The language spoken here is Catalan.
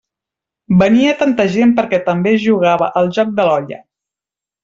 Venia tanta gent perquè també es jugava al joc de l'olla.